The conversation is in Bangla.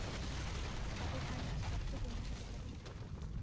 তাদের সাইনাস রক্তে পূর্ণ হতে পারে।